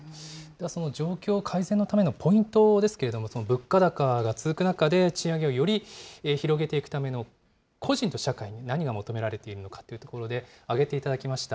その状況改善のためのポイントですけれども、その物価高が続く中で、賃上げをより広げていくための個人と社会、何が求められているかというところで挙げていただきました。